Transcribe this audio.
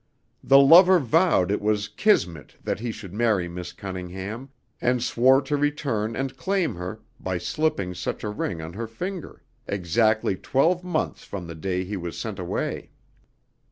"The lover vowed it was 'Kismet' that he should marry Miss Cunningham, and swore to return and claim her, by slipping such a ring on her finger, exactly twelve months from the day he was sent away.